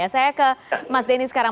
saya ke mas denny sekarang